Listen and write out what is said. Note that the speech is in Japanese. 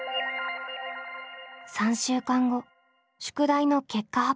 ３週間後宿題の結果発表。